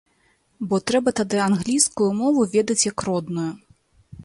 Бо трэба тады англійскую мову ведаць як родную.